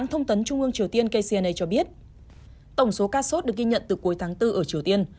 thông tấn trung ương triều tiên kcna cho biết tổng số ca sốt được ghi nhận từ cuối tháng bốn ở triều tiên